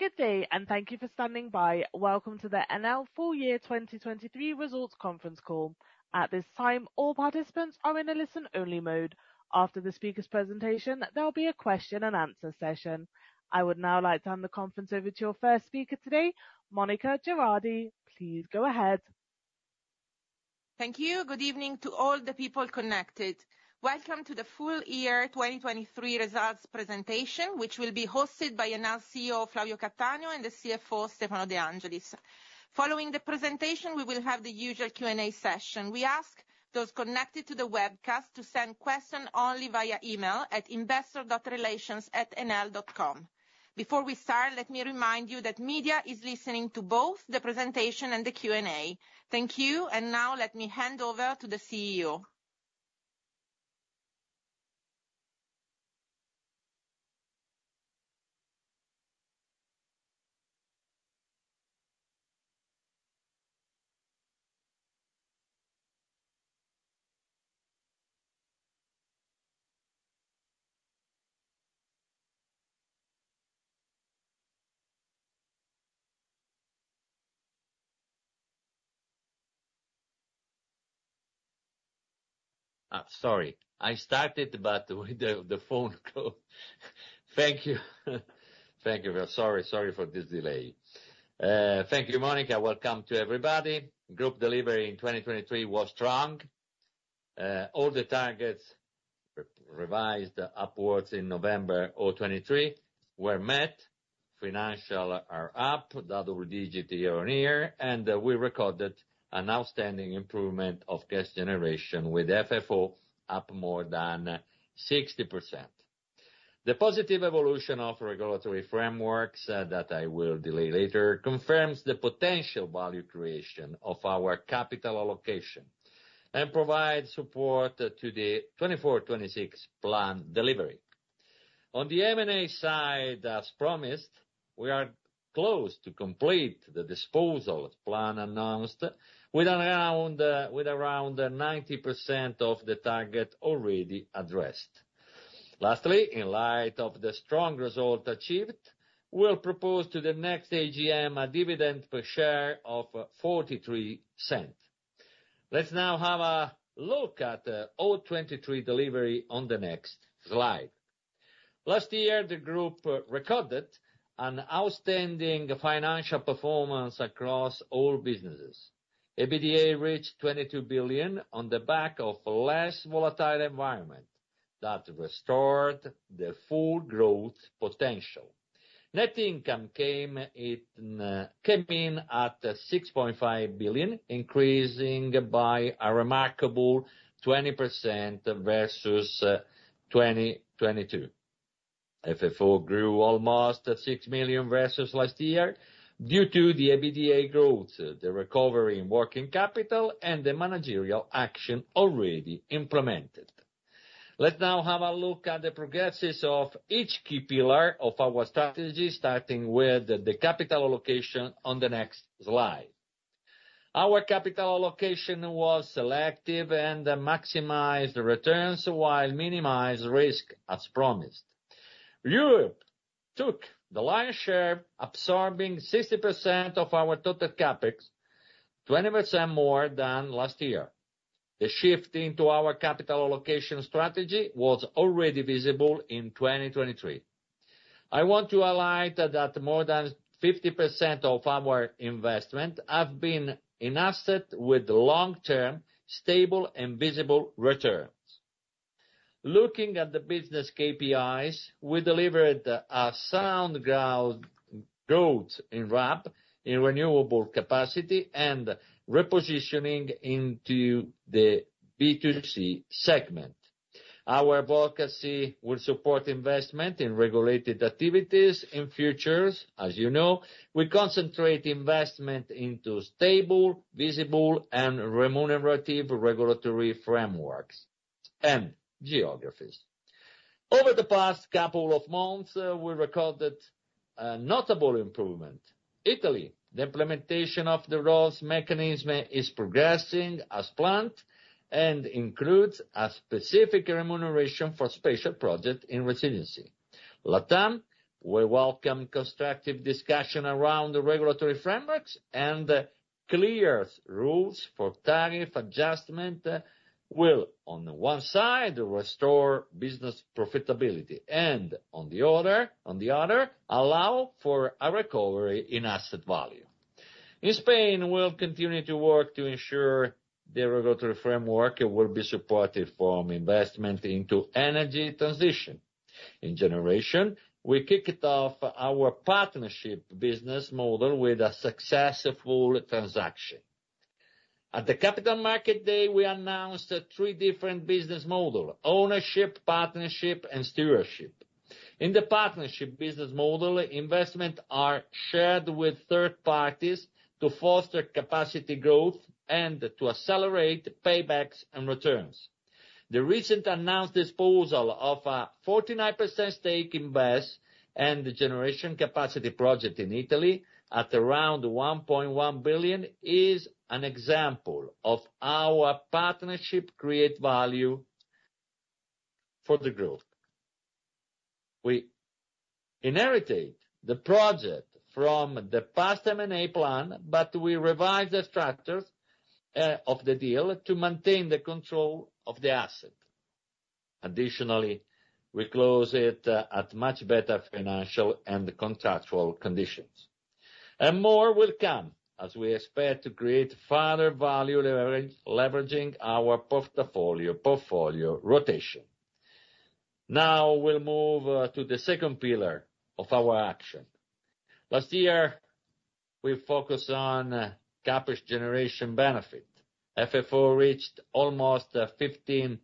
Good day, and thank you for standing by. Welcome to the Enel full year 2023 results conference call. At this time, all participants are in a listen-only mode. After the speaker's presentation, there will be a question-and-answer session. I would now like to hand the conference over to your first speaker today, Monica Girardi. Please go ahead. Thank you. Good evening to all the people connected. Welcome to the full year 2023 results presentation, which will be hosted by Enel CEO Flavio Cattaneo and the CFO Stefano De Angelis. Following the presentation, we will have the usual Q&A session. We ask those connected to the webcast to send questions only via email at investor.relations@enel.com. Before we start, let me remind you that media is listening to both the presentation and the Q&A. Thank you, and now let me hand over to the CEO. Sorry. I started but with the phone closed. Thank you. Thank you, Bill. Sorry, sorry for this delay. Thank you, Monica. Welcome to everybody. Group delivery in 2023 was strong. All the targets revised upwards in November 2023 were met. Financials are up double-digit year-on-year, and we recorded an outstanding improvement of cash generation with FFO up more than 60%. The positive evolution of regulatory frameworks that I will detail later confirms the potential value creation of our capital allocation and provides support to the 2024/26 plan delivery. On the M&A side, as promised, we are close to complete the disposal plan announced with around 90% of the target already addressed. Lastly, in light of the strong result achieved, we'll propose to the next AGM a dividend per share of 0.43. Let's now have a look at 2023 delivery on the next slide. Last year, the group recorded an outstanding financial performance across all businesses. EBITDA reached 22 billion on the back of a less volatile environment that restored the full growth potential. Net income came in at 6.5 billion, increasing by a remarkable 20% versus 2022. FFO grew almost 6 million versus last year due to the EBITDA growth, the recovery in working capital, and the managerial action already implemented. Let's now have a look at the progress of each key pillar of our strategy, starting with the capital allocation on the next slide. Our capital allocation was selective and maximized returns while minimized risk, as promised. Europe took the lion's share, absorbing 60% of our total CapEx 20% more than last year. The shift into our capital allocation strategy was already visible in 2023. I want to highlight that more than 50% of our investment have been invested with long-term, stable, and visible returns. Looking at the business KPIs, we delivered a sound growth in RAB, in renewable capacity, and repositioning into the B2C segment. Our advocacy will support investment in regulated activities and futures. As you know, we concentrate investment into stable, visible, and remunerative regulatory frameworks and geographies. Over the past couple of months, we recorded a notable improvement. Italy: the implementation of the ROSS mechanism is progressing as planned and includes a specific remuneration for special projects in resiliency. LATAM: we welcome constructive discussion around the regulatory frameworks, and clear rules for tariff adjustment will, on the one side, restore business profitability and, on the other, allow for a recovery in asset value. In Spain: we'll continue to work to ensure the regulatory framework will be supportive from investment into energy transition. In generation: we kicked off our partnership business model with a successful transaction. At the Capital Markets Day, we announced three different business models: ownership, partnership, and stewardship. In the partnership business model, investments are shared with third parties to foster capacity growth and to accelerate paybacks and returns. The recently announced disposal of a 49% stake in BESS and the generation capacity project in Italy at around 1.1 billion is an example of how our partnership creates value for the group. We inherited the project from the past M&A plan, but we revised the structures of the deal to maintain the control of the asset. Additionally, we closed it at much better financial and contractual conditions. More will come, as we expect to create further value leveraging our portfolio rotation. Now we'll move to the second pillar of our action. Last year, we focused on CapEx generation benefit. FFO reached almost 15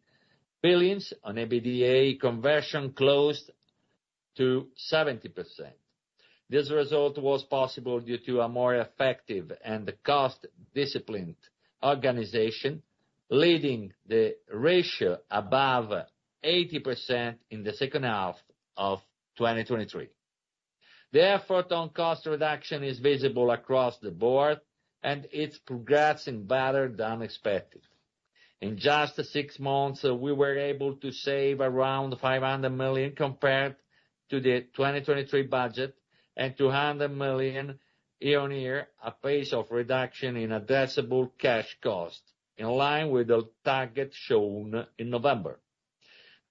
billion, and EBITDA conversion close to 70%. This result was possible due to a more effective and cost-disciplined organization, leading the ratio above 80% in the second half of 2023. The effort on cost reduction is visible across the board, and it's progressing better than expected. In just six months, we were able to save around 500 million compared to the 2023 budget and 200 million year-over-year, at pace of reduction in addressable cash costs, in line with the target shown in November.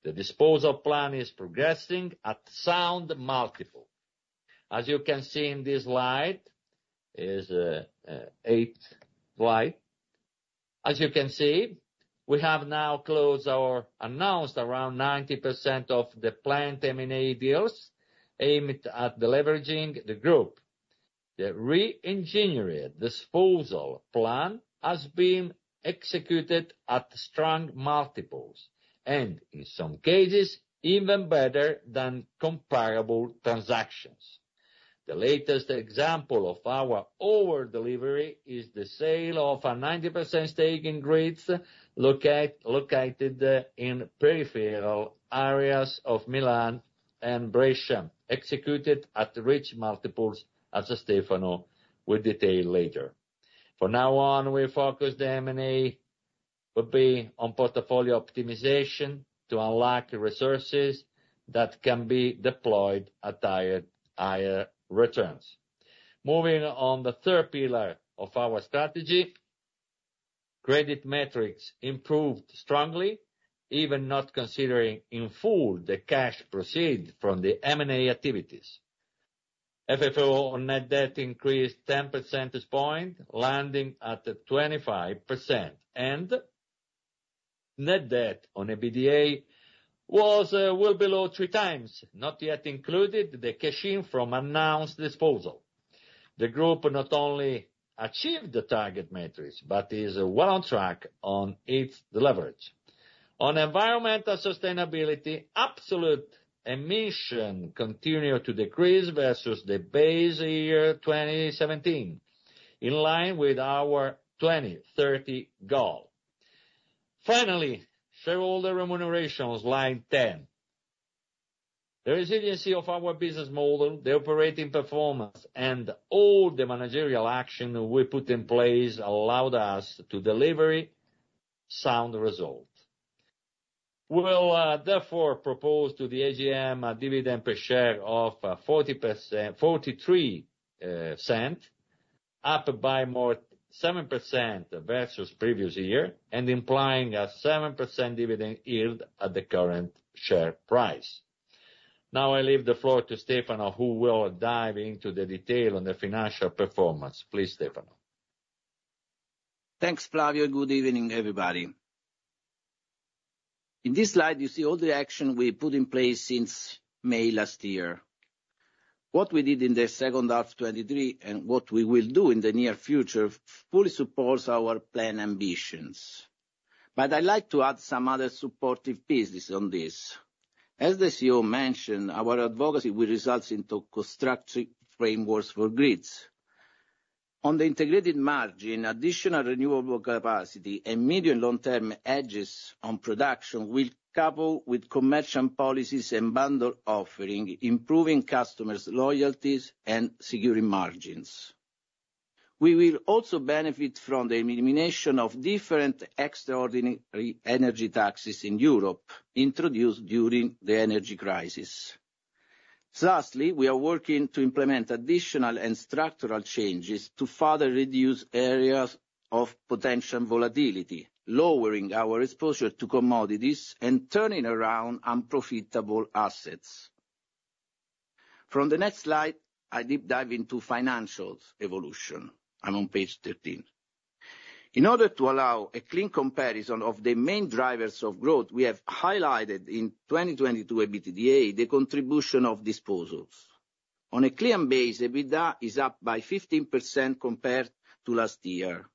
The disposal plan is progressing at a sound multiple. As you can see in this slide is the eighth slide. As you can see, we have now closed around 90% of the announced planned M&A deals aimed at deleveraging the group. The re-engineered disposal plan has been executed at strong multiples and, in some cases, even better than comparable transactions. The latest example of our over-delivery is the sale of a 90% stake in grids located in peripheral areas of Milan and Brescia, executed at rich multiples as Stefano will detail later. From now on, our focus on the M&A would be on portfolio optimization to unlock resources that can be deployed at higher returns. Moving on to the third pillar of our strategy: credit metrics improved strongly, even not considering in full the cash proceeds from the M&A activities. FFO on net debt increased 10 basis points, landing at 25%, and net debt on EBITDA will be below 3x, not yet including the cash-in from announced disposal. The group not only achieved the target metrics but is well on track on its leverage. On environmental sustainability: absolute emissions continue to decrease versus the base year 2017, in line with our 2030 goal. Finally, shareholder remunerations, slide 10: the resiliency of our business model, the operating performance, and all the managerial action we put in place allowed us to deliver a sound result. We'll therefore propose to the AGM a dividend per share of 0.43, up by more than 7% versus previous year, and implying a 7% dividend yield at the current share price. Now I leave the floor to Stefano, who will dive into the detail on the financial performance. Please, Stefano. Thanks, Flavio. Good evening, everybody. In this slide, you see all the action we put in place since May last year. What we did in the second half of 2023 and what we will do in the near future fully supports our plan ambitions. But I'd like to add some other supportive pieces on this. As the CEO mentioned, our advocacy will result in constructive frameworks for grids. On the integrated margin, additional renewable capacity and medium- and long-term hedges on production will couple with commercial policies and bundle offering, improving customers' loyalties and securing margins. We will also benefit from the elimination of different extraordinary energy taxes in Europe, introduced during the energy crisis. Lastly, we are working to implement additional and structural changes to further reduce areas of potential volatility, lowering our exposure to commodities and turning around unprofitable assets. From the next slide, I deep dive into financials evolution. I'm on page 13. In order to allow a clean comparison of the main drivers of growth, we have highlighted in 2022 EBITDA the contribution of disposals. On a clean base, EBITDA is up by 15% compared to last year.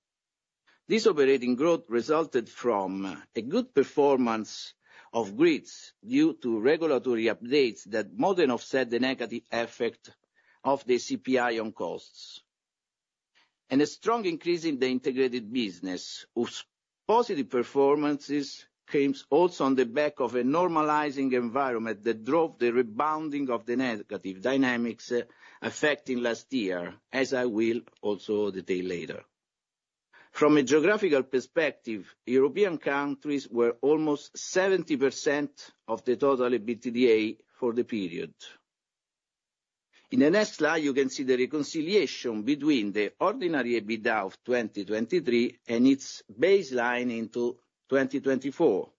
This operating growth resulted from a good performance of grids due to regulatory updates that more than offset the negative effect of the CPI on costs, and a strong increase in the integrated business, whose positive performances came also on the back of a normalizing environment that drove the rebounding of the negative dynamics affecting last year, as I will also detail later. From a geographical perspective, European countries were almost 70% of the total EBITDA for the period. In the next slide, you can see the reconciliation between the ordinary EBITDA of 2023 and its baseline into 2024.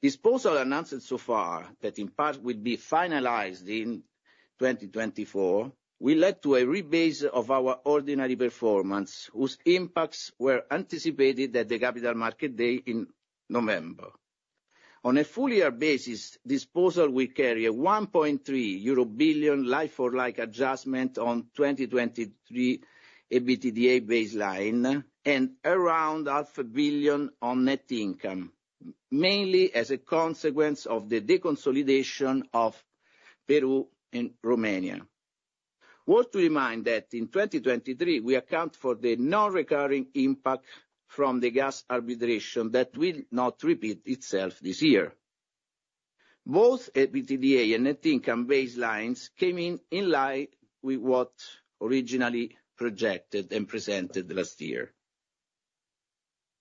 Disposal announced so far that in part will be finalized in 2024 will lead to a rebase of our ordinary performance, whose impacts were anticipated at the Capital Markets Day in November. On a full-year basis, disposal will carry a 1.3 billion euro like-for-like adjustment on 2023 EBITDA baseline and around 0.5 billion on net income, mainly as a consequence of the deconsolidation of Peru and Romania. Worth to remind that in 2023, we account for the non-recurring impact from the gas arbitration that will not repeat itself this year. Both EBITDA and net income baselines came in in line with what was originally projected and presented last year.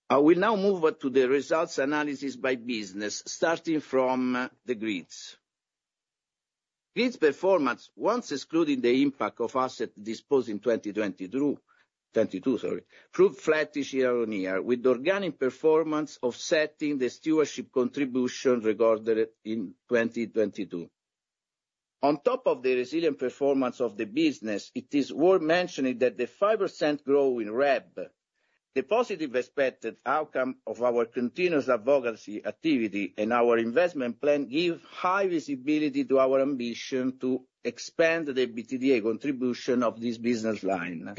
I will now move to the results analysis by business, starting from the grids. Grids' performance, once excluding the impact of assets disposed in 2022, proved flattish year-on-year, with the organic performance offsetting the stewardship contribution recorded in 2022. On top of the resilient performance of the business, it is worth mentioning that the 5% growth in RAB, the positive expected outcome of our continuous advocacy activity and our investment plan, gives high visibility to our ambition to expand the EBITDA contribution of this business line.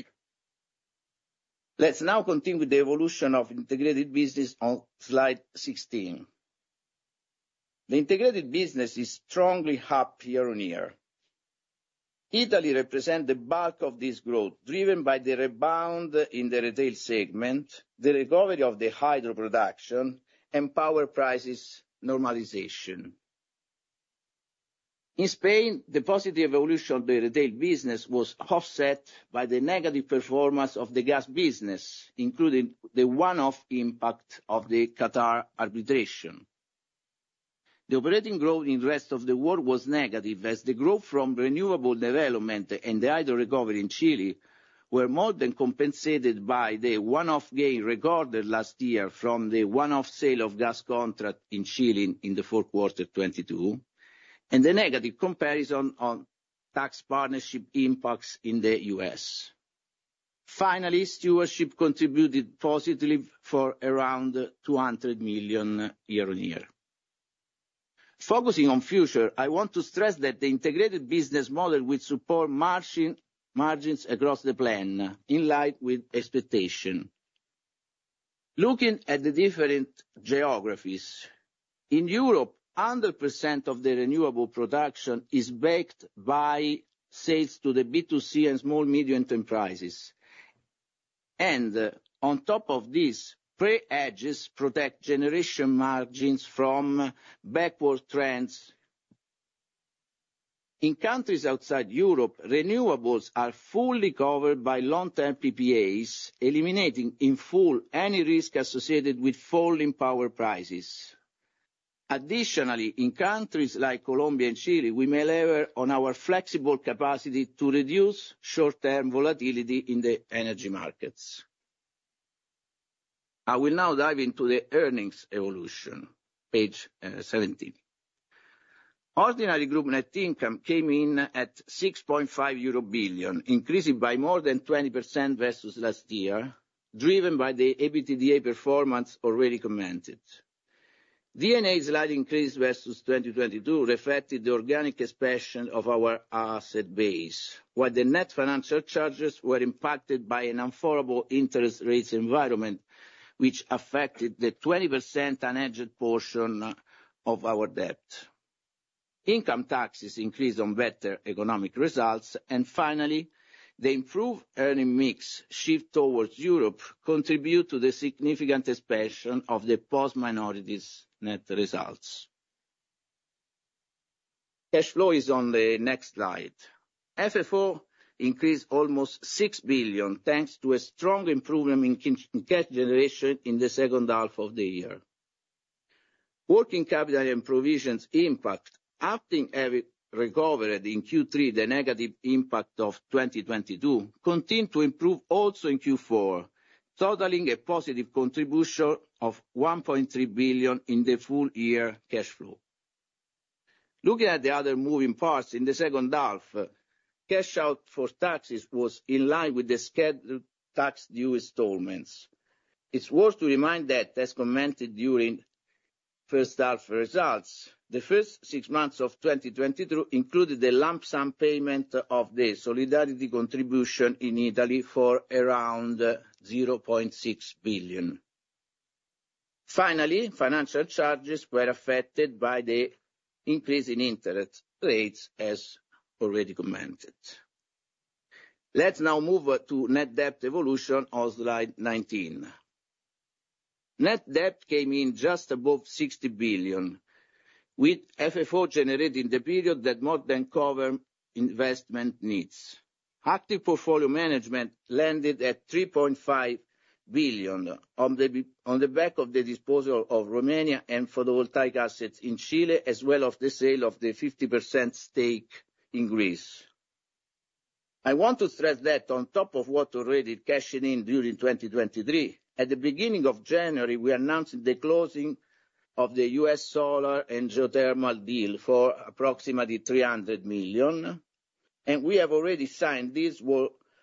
Let's now continue with the evolution of integrated business on slide 16. The integrated business is strongly up year-on-year. Italy represents the bulk of this growth, driven by the rebound in the retail segment, the recovery of the hydro production, and power prices normalization. In Spain, the positive evolution of the retail business was offset by the negative performance of the gas business, including the one-off impact of the Qatar arbitration. The operating growth in the rest of the world was negative, as the growth from renewable development and the hydro recovery in Chile were more than compensated by the one-off gain recorded last year from the one-off sale of gas contracts in Chile in the fourth quarter of 2022, and the negative comparison on tax partnership impacts in the U.S. Finally, stewardship contributed positively for around 200 million year on year. Focusing on future, I want to stress that the integrated business model will support margins across the plan, in line with expectations. Looking at the different geographies: in Europe, 100% of the renewable production is backed by sales to the B2C and small-medium enterprises. On top of this, hedges protect generation margins from downward trends. In countries outside Europe, renewables are fully covered by long-term PPAs, eliminating in full any risk associated with falling power prices. Additionally, in countries like Colombia and Chile, we may leverage on our flexible capacity to reduce short-term volatility in the energy markets. I will now dive into the earnings evolution, page 17. Ordinary group net income came in at 6.5 billion euro, increasing by more than 20% versus last year, driven by the EBITDA performance already commented. D&A slight increase versus 2022 reflected the organic expansion of our asset base, while the net financial charges were impacted by an unfavorable interest rates environment, which affected the 20% unhedged portion of our debt. Income taxes increased on better economic results, and finally, the improved earnings mix shift towards Europe contributed to the significant expansion of the post-minorities net results. Cash flow is on the next slide. FFO increased almost 6 billion thanks to a strong improvement in cash generation in the second half of the year. Working capital and provisions impact, updating every recovery in Q3 the negative impact of 2022 continued to improve also in Q4, totaling a positive contribution of 1.3 billion in the full-year cash flow. Looking at the other moving parts in the second half, cash out for taxes was in line with the scheduled tax due installments. It's worth to remind that, as commented during first half results, the first six months of 2022 included the lump sum payment of the solidarity contribution in Italy for around 0.6 billion. Finally, financial charges were affected by the increase in interest rates, as already commented. Let's now move to net debt evolution on slide 19. Net debt came in just above 60 billion, with FFO generated in the period that more than covered investment needs. Active portfolio management landed at 3.5 billion on the back of the disposal of Romania and photovoltaic assets in Chile, as well as the sale of the 50% stake in Greece. I want to stress that, on top of what already cashed in during 2023, at the beginning of January, we announced the closing of the U.S. solar and geothermal deal for approximately 300 million, and we have already signed these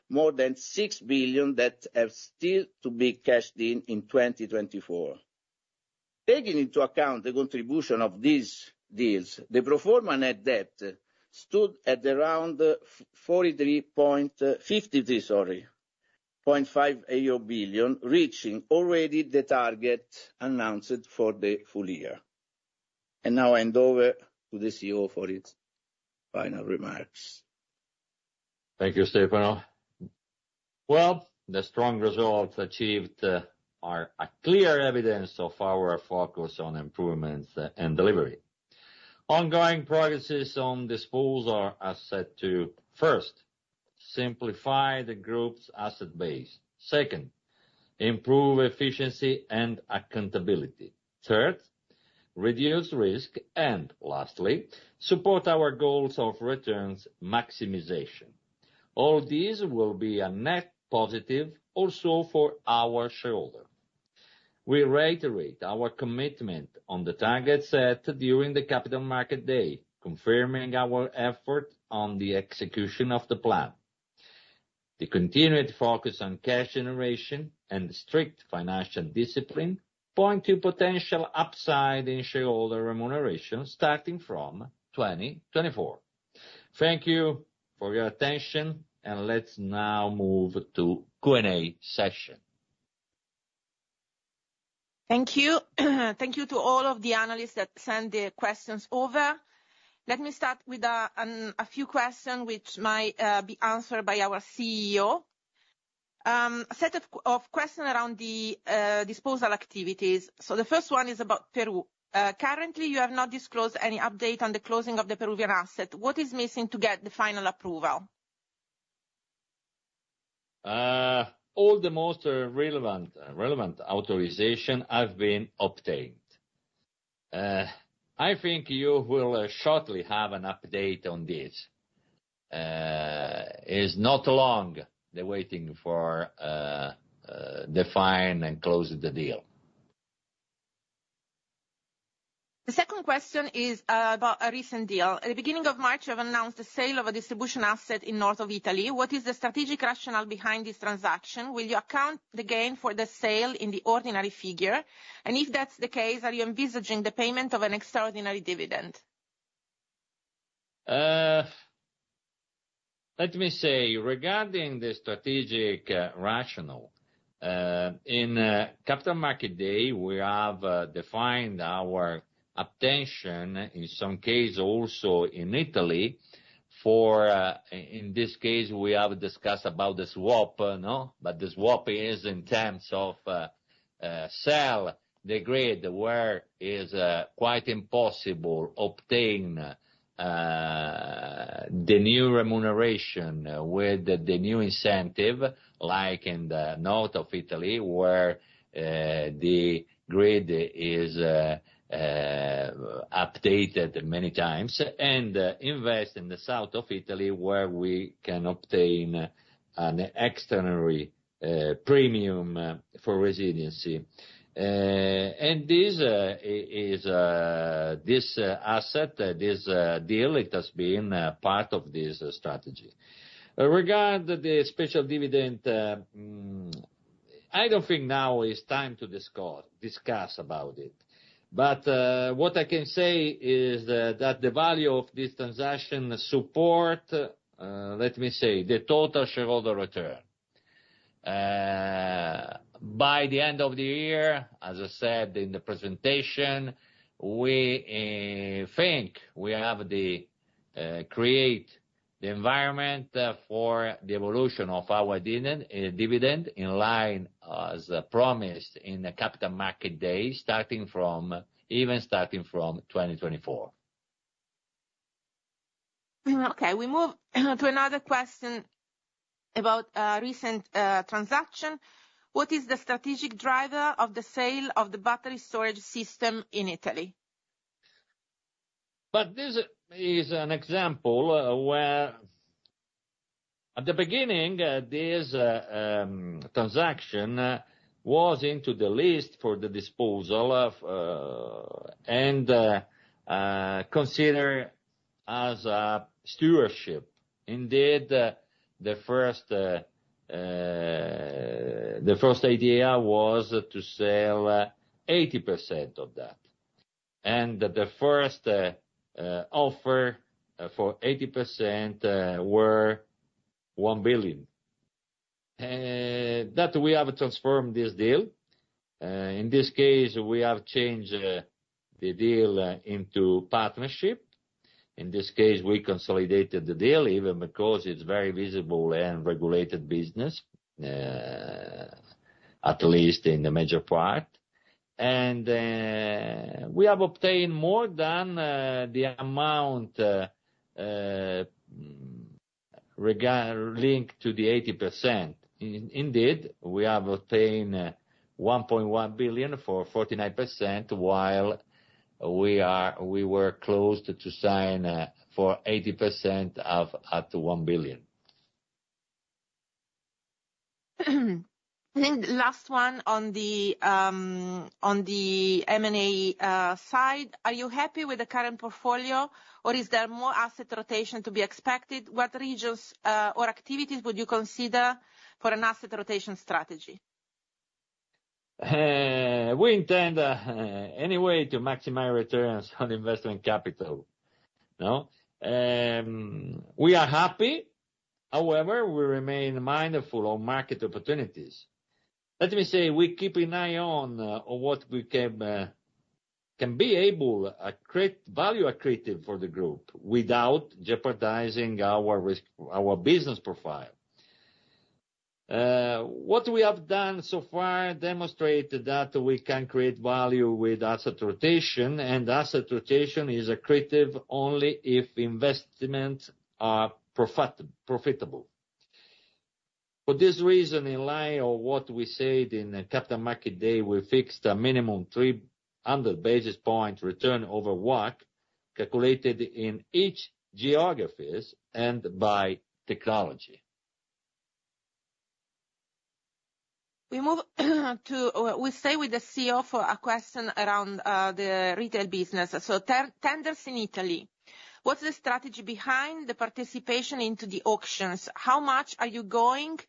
more than 6 billion that are still to be cashed in in 2024. Taking into account the contribution of these deals, the pro forma net debt stood at around 53.55 billion, reaching already the target announced for the full year. Now I hand over to the CEO for his final remarks. Thank you, Stefano. Well, the strong results achieved are clear evidence of our focus on improvements and delivery. Ongoing progress on disposal is set to: first, simplify the group's asset base. Second, improve efficiency and accountability. Third, reduce risk. And lastly, support our goals of returns maximization. All these will be a net positive also for our shareholder. We reiterate our commitment on the target set during the Capital Markets Day, confirming our effort on the execution of the plan. The continued focus on cash generation and strict financial discipline point to potential upside in shareholder remuneration starting from 2024. Thank you for your attention, and let's now move to Q&A session. Thank you. Thank you to all of the analysts that sent the questions over. Let me start with a few questions which might be answered by our CEO. A set of questions around the disposal activities. The first one is about Peru. Currently, you have not disclosed any update on the closing of the Peruvian asset. What is missing to get the final approval? All the most relevant authorizations have been obtained. I think you will shortly have an update on this. It's not long, the waiting for the final and closing the deal. The second question is about a recent deal. At the beginning of March, you have announced the sale of a distribution asset in north of Italy. What is the strategic rationale behind this transaction? Will you account the gain for the sale in the ordinary figure? And if that's the case, are you envisaging the payment of an extraordinary dividend? Let me say, regarding the strategic rationale, in Capital Markets Day, we have defined our intention, in some cases also in Italy, for in this case, we have discussed about the swap, but the swap is in terms of sell the grid where it is quite impossible to obtain the new remuneration with the new incentive, like in the north of Italy where the grid is updated many times, and invest in the south of Italy where we can obtain an extraordinary premium for resiliency. This asset, this deal, it has been part of this strategy. Regarding the special dividend, I don't think now it's time to discuss about it. What I can say is that the value of this transaction supports, let me say, the total shareholder return. By the end of the year, as I said in the presentation, we think we have created the environment for the evolution of our dividend in line, as promised, in Capital Markets Day, even starting from 2024. Okay. We move to another question about a recent transaction. What is the strategic driver of the sale of the battery storage system in Italy? But this is an example where, at the beginning, this transaction was into the list for the disposal and considered as stewardship. Indeed, the first idea was to sell 80% of that. And the first offer for 80% was 1 billion. That we have transformed this deal. In this case, we have changed the deal into partnership. In this case, we consolidated the deal, even because it's a very visible and regulated business, at least in the major part. And we have obtained more than the amount linked to the 80%. Indeed, we have obtained 1.1 billion for 49% while we were close to sign for 80% of up to 1 billion. Last one on the M&A side. Are you happy with the current portfolio, or is there more asset rotation to be expected? What regions or activities would you consider for an asset rotation strategy? We intend anyway to maximize returns on investment capital. We are happy. However, we remain mindful of market opportunities. Let me say, we keep an eye on what we can be able to create value creatively for the group without jeopardizing our business profile. What we have done so far demonstrates that we can create value with asset rotation, and asset rotation is creative only if investments are profitable. For this reason, in line with what we said in Capital Markets Day, we fixed a minimum 300 basis points return over WACC calculated in each geography and by technology. We stay with the CEO for a question around the retail business. So, tenders in Italy. What's the strategy behind the participation into the auctions? How much are you going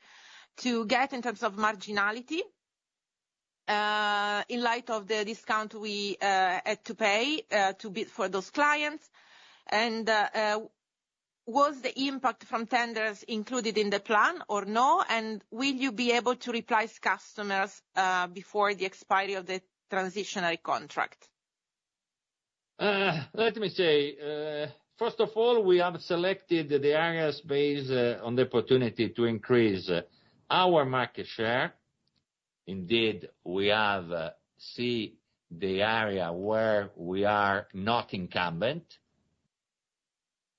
to get in terms of marginality in light of the discount we had to pay for those clients? And was the impact from tenders included in the plan or no? And will you be able to replace customers before the expiry of the transitional contract? Let me say, first of all, we have selected the areas based on the opportunity to increase our market share. Indeed, we see the area where we are not incumbent,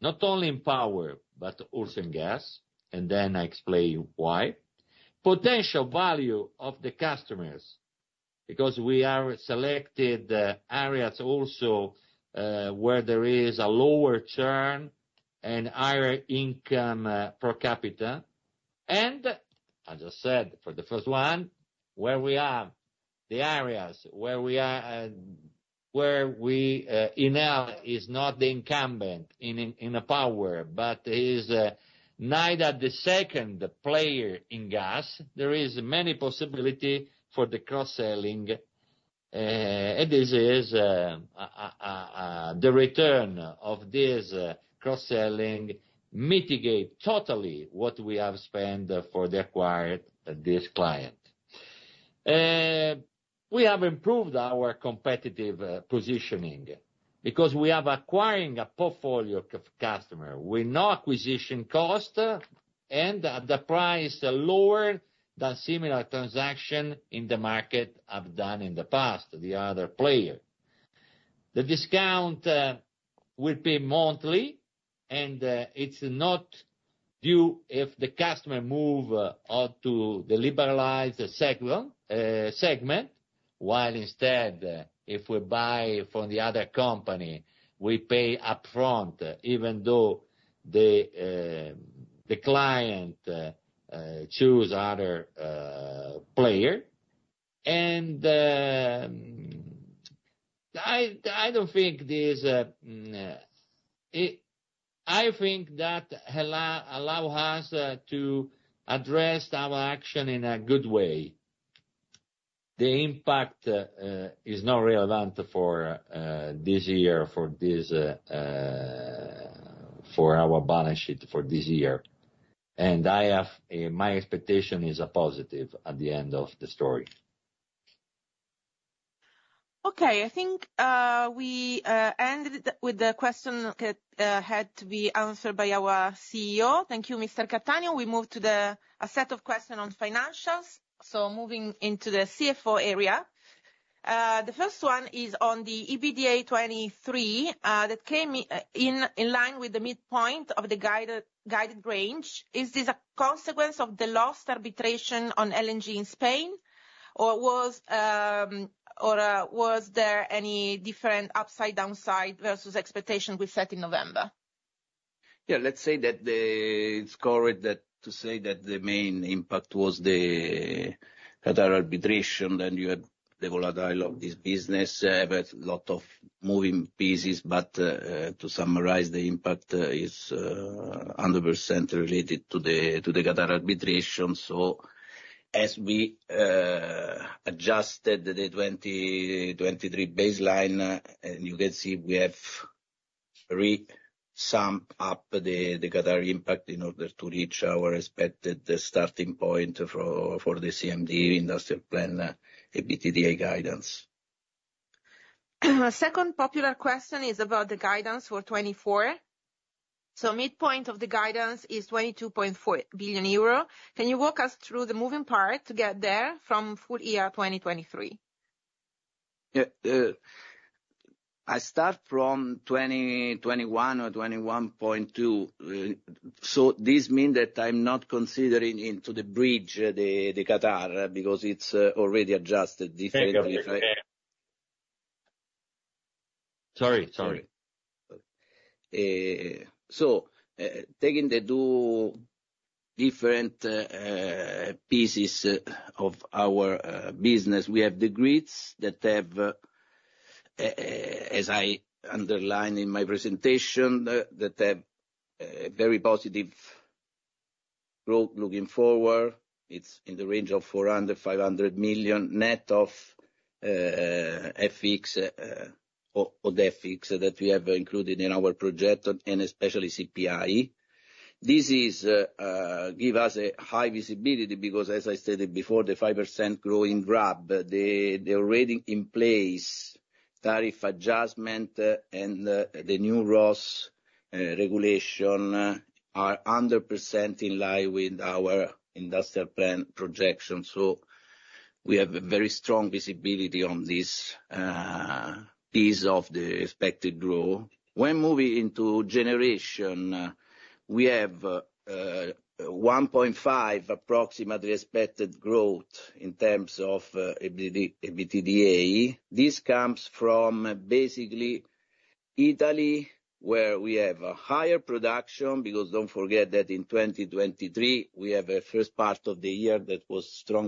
not only in power but also in gas, and then I explain why. Potential value of the customers, because we have selected areas also where there is a lower churn and higher income per capita. And as I said for the first one, where we are, the areas where Enel is not the incumbent in power, but is neither the second player in gas, there is many possibilities for the cross-selling. And this is the return of this cross-selling mitigates totally what we have spent for the acquiring this client. We have improved our competitive positioning because we are acquiring a portfolio of customers. We know acquisition costs, and at the price lower than similar transactions in the market have done in the past, the other players. The discount will be monthly, and it's not due if the customer moves on to the liberalized segment, while instead if we buy from the other company, we pay upfront even though the client chooses another player. And I don't think this, I think that allows us to address our action in a good way. The impact is not relevant for this year, for our balance sheet for this year. And my expectation is a positive at the end of the story. Okay. I think we ended with the question that had to be answered by our CEO. Thank you, Mr. Cattaneo. We move to a set of questions on financials. So moving into the CFO area. The first one is on the EBITDA 2023 that came in line with the midpoint of the guided range. Is this a consequence of the lost arbitration on LNG in Spain, or was there any different upside, downside versus expectations we set in November? Yeah. Let's say that it's correct to say that the main impact was the Qatar arbitration, then you had the volatility of this business, a lot of moving pieces. But to summarize, the impact is 100% related to the Qatar arbitration. So as we adjusted the 2023 baseline, and you can see we have re-summed up the Qatar impact in order to reach our expected starting point for the CMD Industrial Plan EBITDA guidance. Second popular question is about the guidance for 2024. So midpoint of the guidance is 22.4 billion euro. Can you walk us through the moving part to get there from full year 2023? Yeah. I start from 2021 or 21.2. So this means that I'm not considering into the bridge the Qatar because it's already adjusted differently. Sorry, sorry. Taking the two different pieces of our business, we have the grids that have, as I underlined in my presentation, that have a very positive growth looking forward. It's in the range of 400 million-500 million net of FX or FX that we have included in our project and especially CPI. This gives us a high visibility because, as I stated before, the 5% growing RAB, the already in place tariff adjustment and the new ROSS regulation are 100% in line with our Industrial Plan projection. We have a very strong visibility on this piece of the expected growth. When moving into generation, we have approximately 1.5 expected growth in terms of EBITDA. This comes from basically Italy where we have higher production because don't forget that in 2023, we have a first part of the year that was still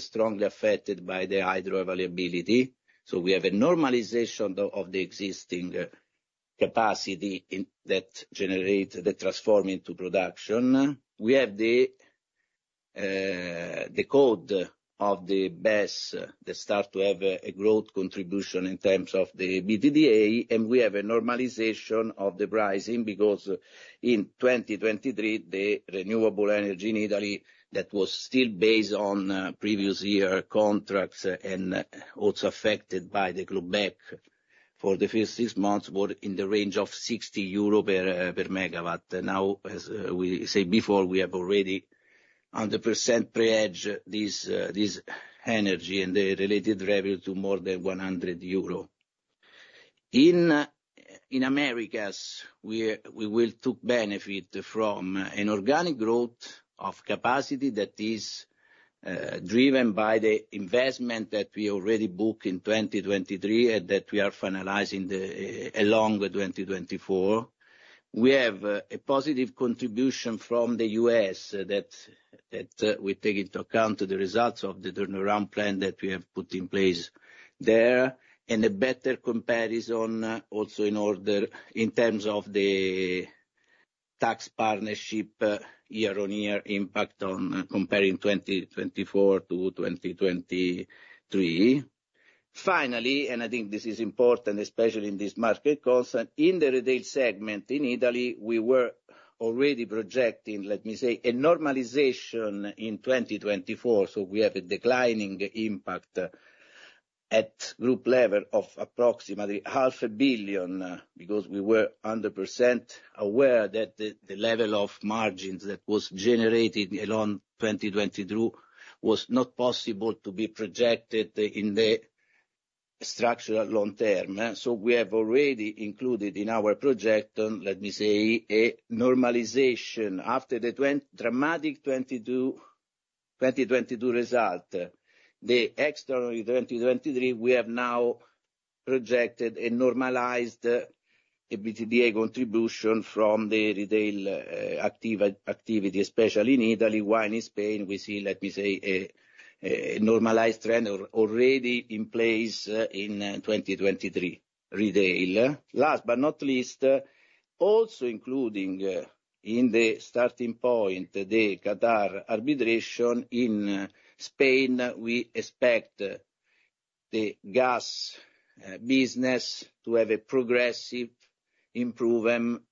strongly affected by the hydro availability. We have a normalization of the existing capacity that transformed into production. We have the load of the BESS that start to have a growth contribution in terms of the EBITDA, and we have a normalization of the pricing because in 2023, the renewable energy in Italy that was still based on previous year contracts and also affected by the drawback for the first six months were in the range of 60 euro per MW. Now, as we said before, we have already 100% hedged this energy and the related revenue to more than 100 euro. In Americas, we will take benefit from an organic growth of capacity that is driven by the investment that we already booked in 2023 and that we are finalizing along 2024. We have a positive contribution from the U.S. that we take into account the results of the turnaround plan that we have put in place there and a better comparison also in terms of the tax partnership year-on-year impact comparing 2024 to 2023. Finally, and I think this is important, especially in this market context, in the retail segment in Italy, we were already projecting, let me say, a normalization in 2024. So we have a declining impact at group level of approximately 500 million because we were 100% aware that the level of margins that was generated in 2023 was not possible to be projected in the structural long term. So we have already included in our projection, let me say, a normalization after the dramatic 2022 result. The exceptional 2023, we have now projected a normalized EBITDA contribution from the retail activity, especially in Italy. While in Spain, we see, let me say, a normalized trend already in place in 2023 retail. Last but not least, also including in the starting point the Qatar arbitration in Spain, we expect the gas business to have a progressive improvement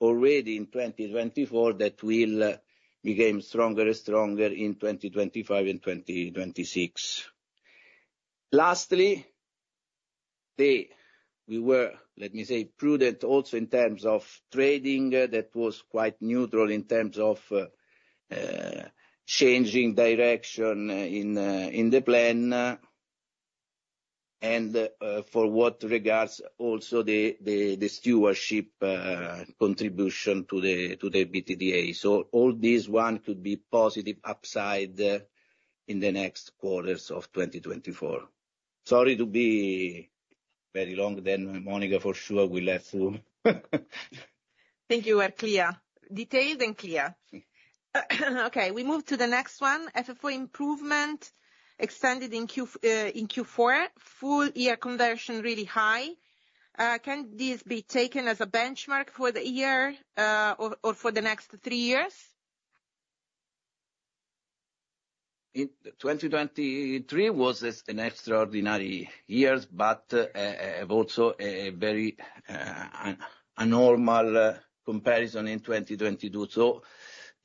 already in 2024 that will become stronger and stronger in 2025 and 2026. Lastly, we were, let me say, prudent also in terms of trading that was quite neutral in terms of changing direction in the plan and for what regards also the stewardship contribution to the EBITDA. So all this one could be positive upside in the next quarters of 2024. Sorry to be very long then, Monica, for sure we left too. Thank you, Very clear. Detailed and clear. Okay. We move to the next one. FFO improvement extended in Q4, full year conversion really high. Can this be taken as a benchmark for the year or for the next three years? 2023 was an extraordinary year, but also a very abnormal comparison in 2022. So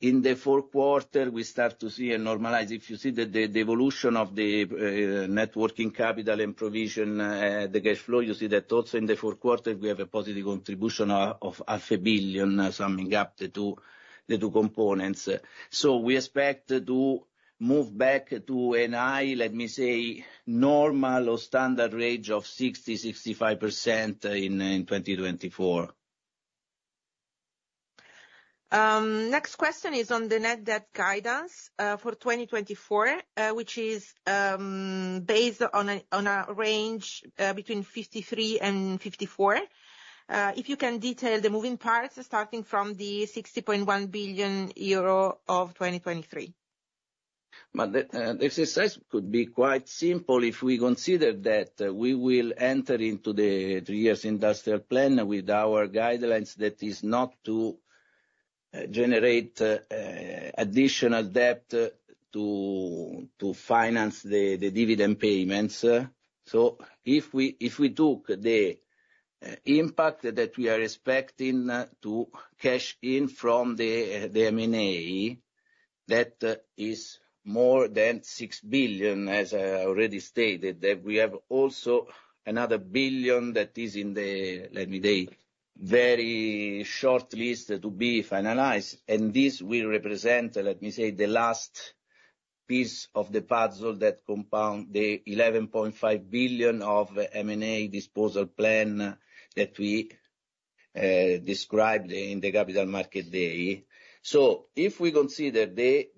in the fourth quarter, we start to see a normalization. If you see the evolution of the net working capital and provisions, the cash flow, you see that also in the fourth quarter, we have a positive contribution of 500 million summing up the two components. So we expect to move back to a high, let me say, normal or standard range of 60%-65% in 2024. Next question is on the Net Debt guidance for 2024, which is based on a range between 53 billion and 54 billion. If you can detail the moving parts starting from the 60.1 billion euro of 2023. As I said, it could be quite simple if we consider that we will enter into the three-year Industrial Plan with our guidelines that is not to generate additional debt to finance the dividend payments. If we took the impact that we are expecting to cash in from the M&A, that is more than 6 billion, as I already stated, that we have also another 1 billion that is in the, let me say, very short list to be finalized. This will represent, let me say, the last piece of the puzzle that compounds the 11.5 billion of M&A disposal plan that we described in the Capital Markets Day. If we consider the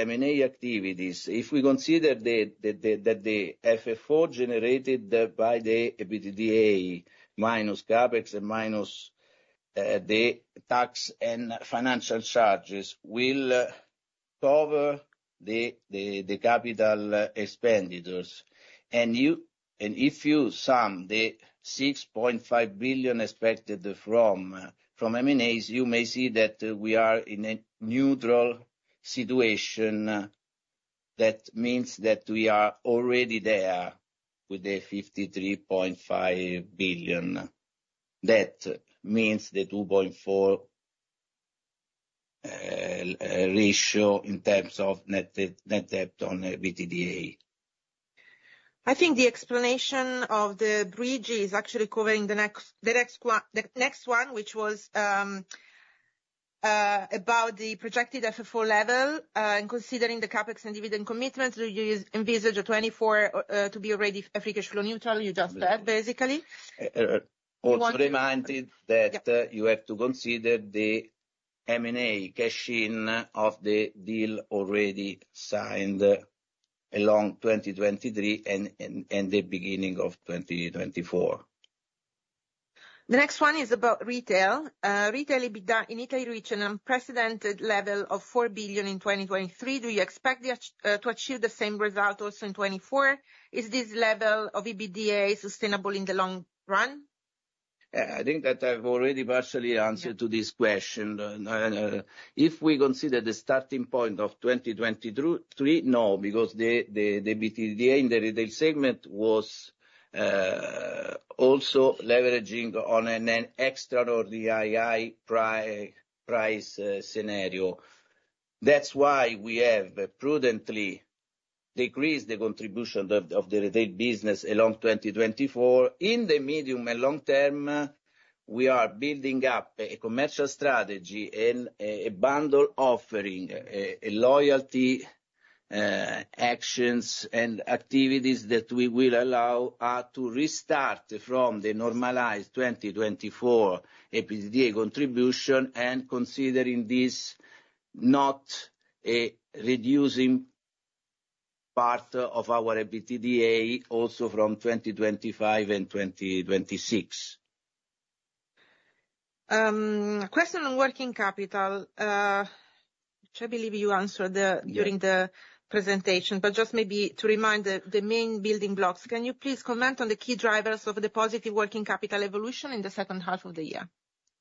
M&A activities, if we consider that the FFO generated by the EBITDA minus CapEx and minus the tax and financial charges will cover the capital expenditures. If you sum the 6.5 billion expected from M&As, you may see that we are in a neutral situation. That means that we are already there with the 53.5 billion. That means the 2.4 ratio in terms of net debt on EBITDA. I think the explanation of the bridge is actually covering the next one, which was about the projected FFO level. Considering the CapEx and dividend commitments, do you envisage a 2024 to be already free cash flow neutral? You just said, basically. Also reminded that you have to consider the M&A cash-in of the deal already signed along 2023 and the beginning of 2024. The next one is about retail. Retail EBITDA in Italy reached an unprecedented level of 4 billion in 2023. Do you expect to achieve the same result also in 2024? Is this level of EBITDA sustainable in the long run? I think that I've already partially answered to this question. If we consider the starting point of 2023, no, because the EBITDA in the retail segment was also leveraging on an extraordinary price scenario. That's why we have prudently decreased the contribution of the retail business along 2024. In the medium and long term, we are building up a commercial strategy and a bundle offering, a loyalty actions and activities that we will allow us to restart from the normalized 2024 EBITDA contribution and considering this not a reducing part of our EBITDA also from 2025 and 2026. Question on working capital. I believe you answered during the presentation. Just maybe to remind the main building blocks, can you please comment on the key drivers of the positive working capital evolution in the second half of the year?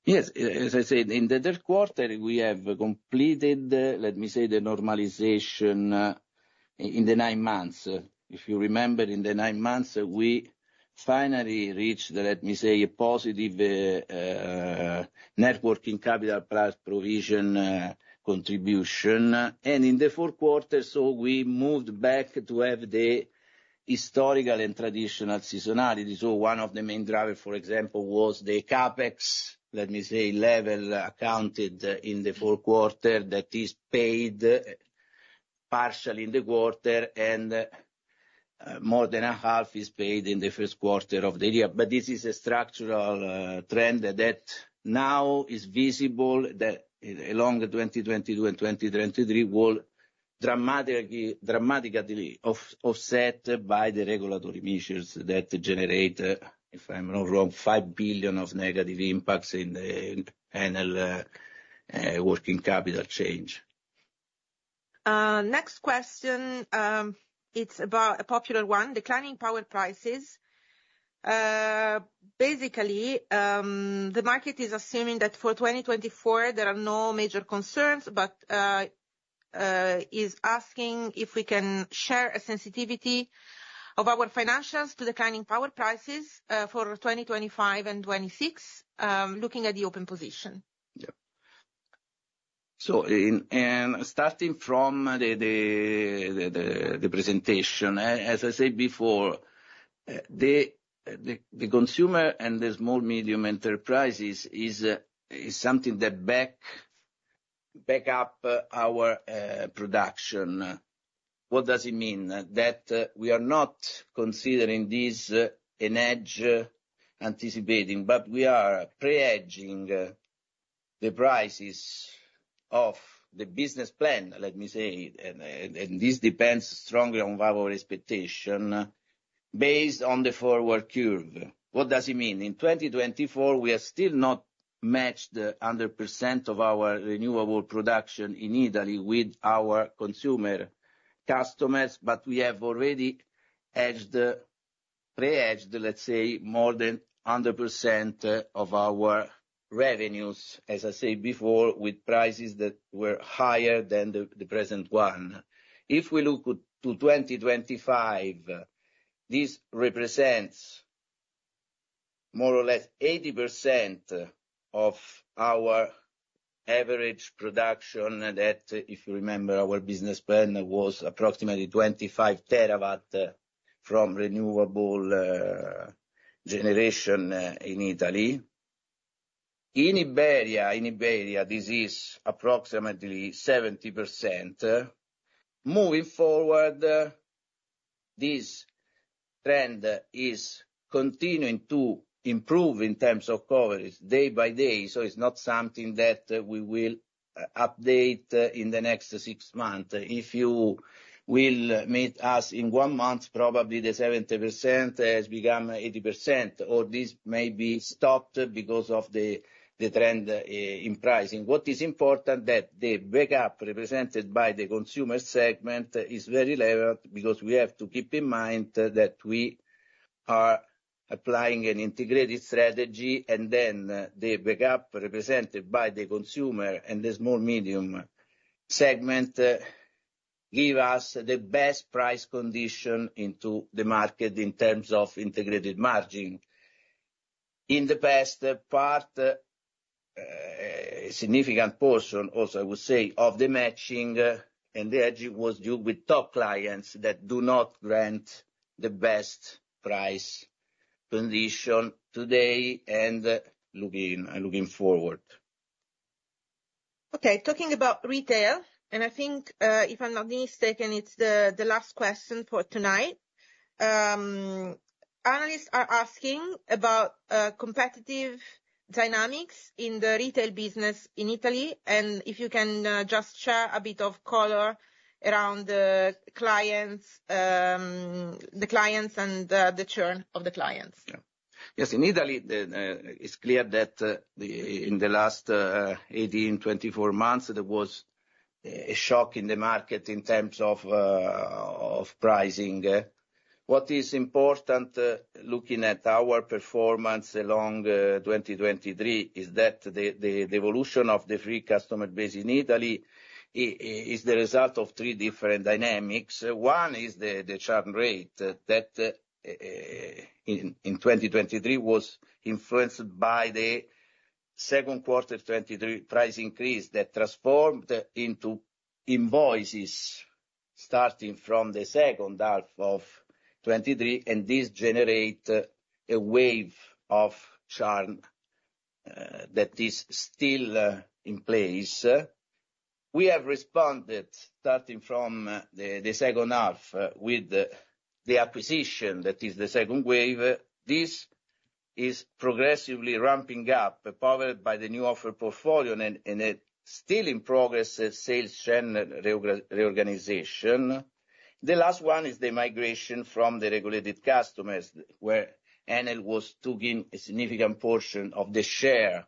Yes. As I said, in the third quarter, we have completed, let me say, the normalization in the nine months. If you remember, in the nine months, we finally reached the, let me say, positive networking capital price provision contribution. And in the fourth quarter, so we moved back to have the historical and traditional seasonality. So one of the main drivers, for example, was the CapEx, let me say, level accounted in the fourth quarter that is paid partially in the quarter, and more than a half is paid in the first quarter of the year. But this is a structural trend that now is visible along 2022 and 2023 will dramatically be offset by the regulatory measures that generate, if I'm not wrong, 5 billion of negative impacts in the annual working capital change. Next question. It's about a popular one, declining power prices. Basically, the market is assuming that for 2024, there are no major concerns, but is asking if we can share a sensitivity of our financials to declining power prices for 2025 and 2026, looking at the open position. Yeah. So starting from the presentation, as I said before, the consumer and the small, medium enterprises is something that backs up our production. What does it mean? That we are not considering this a hedge anticipating, but we are pre-hedging the prices of the business plan, let me say, and this depends strongly on our expectation based on the forward curve. What does it mean? In 2024, we are still not matched 100% of our renewable production in Italy with our consumer customers, but we have already pre-hedged, let's say, more than 100% of our revenues, as I said before, with prices that were higher than the present one. If we look to 2025, this represents more or less 80% of our average production that, if you remember, our business plan was approximately 25 terawatt from renewable generation in Italy. In Iberia, this is approximately 70%. Moving forward, this trend is continuing to improve in terms of coverage day by day. So it's not something that we will update in the next six months. If you will meet us in one month, probably the 70% has become 80%, or this may be stopped because of the trend in pricing. What is important is that the backup represented by the consumer segment is very level because we have to keep in mind that we are applying an integrated strategy, and then the backup represented by the consumer and the small, medium segment gives us the best price condition into the market in terms of integrated margin. In the past part, a significant portion, also I would say, of the matching and the edging was due with top clients that do not grant the best price condition today and looking forward. Okay. Talking about retail, and I think if I'm not mistaken, it's the last question for tonight. Analysts are asking about competitive dynamics in the retail business in Italy, and if you can just share a bit of color around the clients and the churn of the clients. Yes. In Italy, it's clear that in the last 18-24 months, there was a shock in the market in terms of pricing. What is important looking at our performance along 2023 is that the evolution of the free customer base in Italy is the result of three different dynamics. One is the churn rate that in 2023 was influenced by the second quarter 2023 price increase that transformed into invoices starting from the second half of 2023, and this generates a wave of churn that is still in place. We have responded starting from the second half with the acquisition that is the second wave. This is progressively ramping up, powered by the new offer portfolio and still in progress sales channel reorganization. The last one is the migration from the regulated customers, where Enel was taking a significant portion of the share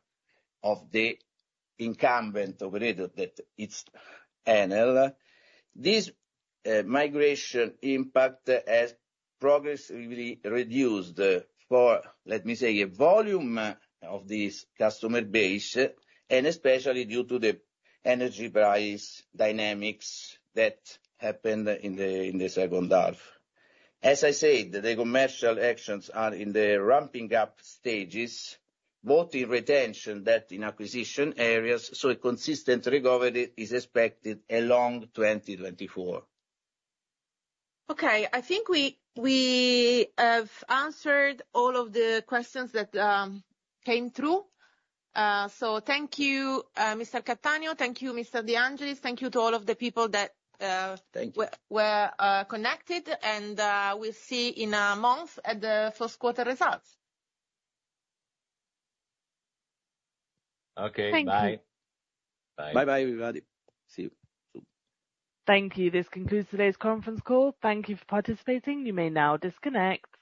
of the incumbent operator that it's Enel. This migration impact has progressively reduced for, let me say, a volume of this customer base, and especially due to the energy price dynamics that happened in the second half. As I said, the commercial actions are in the ramping up stages, both in retention that in acquisition areas. So a consistent recovery is expected along 2024. Okay. I think we have answered all of the questions that came through. Thank you, Mr. Cattaneo. Thank you, Mr. De Angelis. Thank you to all of the people that were connected. We'll see in a month at the fourth quarter results. Okay. Bye. Bye. Bye-bye, everybody. See you soon. Thank you. This concludes today's conference call. Thank you for participating. You may now disconnect.